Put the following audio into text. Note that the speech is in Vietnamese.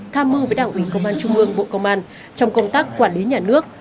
tham mưu với đảng ủy công an trung ương bộ công an trong công tác quản lý nhà nước